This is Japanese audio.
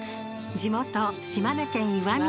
地元島根県岩見